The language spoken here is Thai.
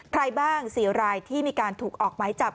ใครบ้าง๔รายที่มีการถูกออกไม้จับ